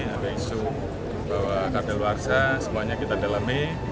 ada isu bahwa kabel warsa semuanya kita dalami